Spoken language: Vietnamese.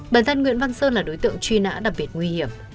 bản thân nguyễn văn sơn là đối tượng truy nã đặc biệt nguy hiểm